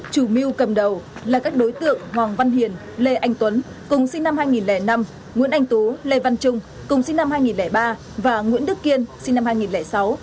chủ mưu cầm đầu là các đối tượng hoàng văn hiền lê anh tuấn cùng sinh năm hai nghìn năm nguyễn anh tú lê văn trung cùng sinh năm hai nghìn ba và nguyễn đức kiên sinh năm hai nghìn sáu